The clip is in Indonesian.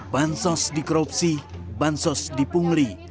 bansos dikorupsi bansos dipungli